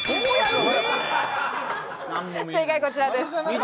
正解こちらです。